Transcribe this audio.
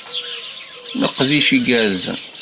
Leqdic igerrzen!